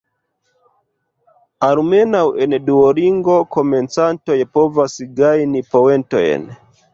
Almenaŭ en Duolingo, komencantoj povas gajni poentojn.